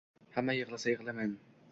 Hamma yig’lasa yig’lamayman